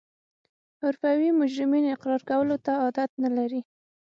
حرفوي مجرمین اقرار کولو ته عادت نلري